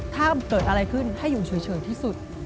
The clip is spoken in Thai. ถ้าเกิดอะไรขึ้นให้อยู่เฉยที่สุด